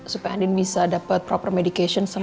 supaya andin bisa dapat medikasi yang tepat